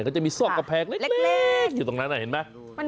ก็จะมีซอกกำแพงเล็กอยู่ตรงนั้นเห็นไหม